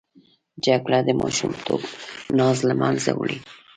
جګړه د ماشومتوب ناز له منځه وړي